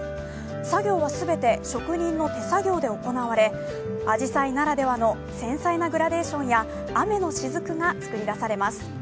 作業は全て職人の手作業で行われ、あじさいならではの繊細なグラデーションや雨の雫が作り出されます。